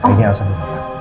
ini elsa mereka